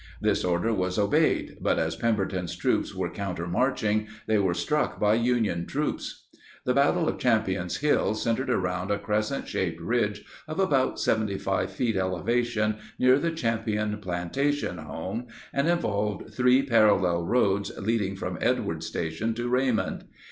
This order was obeyed, but as Pemberton's troops were countermarching they were struck by Union troops. The battle of Champion's Hill centered around a crescent shaped ridge of about 75 feet elevation near the Champion plantation home and involved three parallel roads leading from Edwards Station to Raymond.